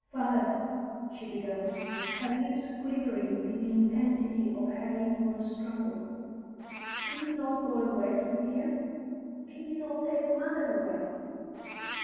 "Father," she began, her lips quivering in the intensity of her inward struggle, "can you not go away from here? Can you not take mother away?"